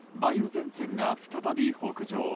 前線が再び北上。